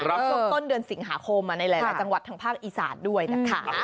ช่วงต้นเดือนสิงหาคมในหลายจังหวัดทางภาคอีสานด้วยนะคะ